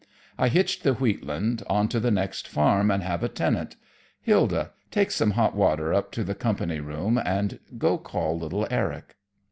I hitched the wheat land onto the next farm and have a tenant. Hilda, take some hot water up to the company room, and go call little Eric."